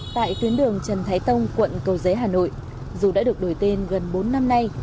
tại tuyến đường trần thái tông quận cầu giấy hà nội dù đã được đổi tên gần bốn năm nay